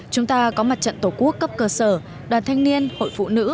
chúng ta có mặt trận tổ quốc cấp cơ sở đoàn thanh niên hội phụ nữ